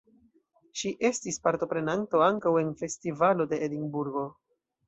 Ŝi estis partoprenanto ankaŭ en festivalo de Edinburgo.